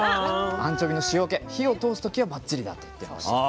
アンチョビの塩気火を通すとばっちりだと言っていました。